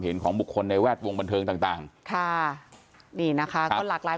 ของบุคคลในแวดวงบันเทิงต่างต่างค่ะนี่นะคะก็หลากหลาย